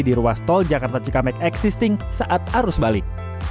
di ruas tol jakarta cikampek existing saat arus balik